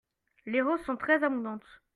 Les roses sont très abondantes.